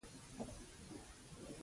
کورس د مفکورې پراختیا لاره ده.